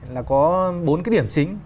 là có bốn cái điểm chính